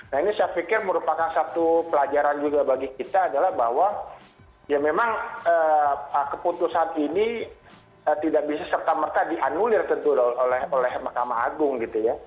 nah ini saya pikir merupakan satu pelajaran juga bagi kita adalah bahwa ya memang keputusan ini tidak bisa serta merta dianulir tentu oleh mahkamah agung gitu ya